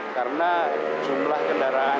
karena jumlah kendaraan